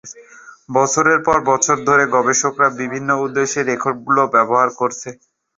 বছরের পর বছর ধরে, গবেষকরা বিভিন্ন উদ্দেশ্যে রেকর্ডগুলো ব্যবহার করেছে।